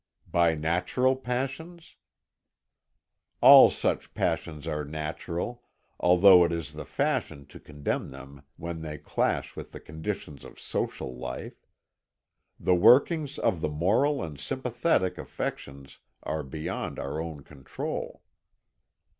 "By natural passions?" "All such passions are natural, although it is the fashion to condemn them when they clash with the conditions of social life. The workings of the moral and sympathetic affections are beyond our own control."